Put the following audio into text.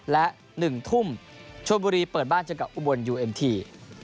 และ๑ทุ่มชวนบุรีเปิดบ้านเจอกับอุบลยูเอ็มที